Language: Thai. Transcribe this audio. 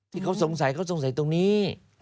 ที่เขาสงสัยเขาสงสัยตรงนี้